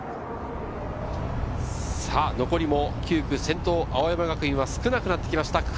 残り９区、先頭・青山学院は少なくなってきました。